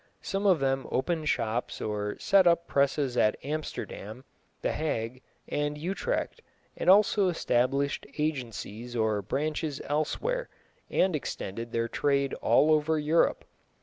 Some of them opened shops or set up presses at Amsterdam, The Hague, and Utrecht, and also established agencies or branches elsewhere, and extended their trade all over Europe.